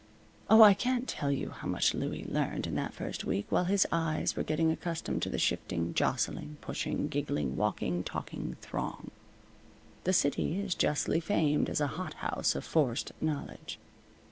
Oh, I can't tell you how much Louie learned in that first week while his eyes were getting accustomed to the shifting, jostling, pushing, giggling, walking, talking throng. The city is justly famed as a hot house of forced knowledge.